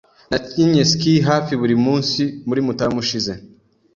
Nakinnye ski hafi buri munsi muri Mutarama ushize.